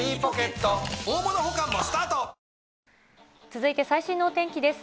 続いて、最新のお天気です。